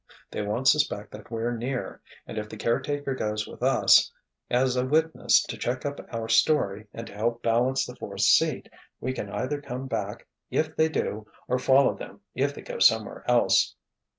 They won't suspect that we're near, and if the caretaker goes with us as a witness to check up our story and to help balance the fourth seat, we can either come back if they do or follow them if they go somewhere else."